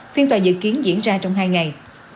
phiên tòa dự kiến diễn ra trong hai ngày